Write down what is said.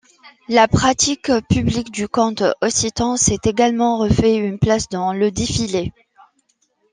La pratique publique du conte occitan s’est également refait une place dans le défilé.